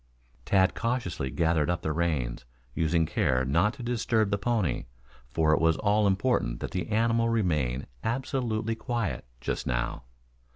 Tad cautiously gathered up the reins, using care not to disturb the pony, for it was all important that the animal remain absolutely quiet just now.